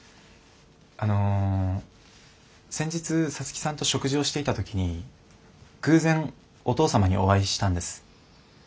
あの先日皐月さんと食事をしていた時に偶然お父様にお会いしたんです。